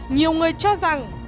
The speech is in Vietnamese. nhiều người cho rằng